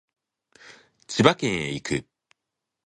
千葉県へ行く